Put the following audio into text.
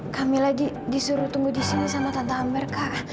kamila disuruh tunggu di sini sama tante amber kak